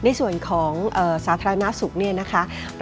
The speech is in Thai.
ในส่วนของสาธารณสุขนะครับ